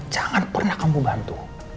jangan pernah kamu bantu